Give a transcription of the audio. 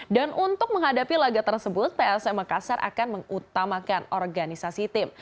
untuk menghadapi laga tersebut psm makassar akan mengutamakan organisasi tim